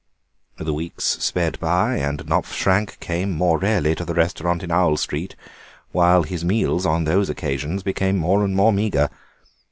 The weeks sped by, and Knopfschrank came more rarely to the restaurant in Owl Street, while his meals on those occasions became more and more meagre.